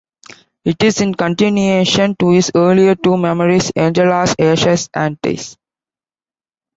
It is in continuation to his earlier two memoirs, "Angela's Ashes" and "'Tis".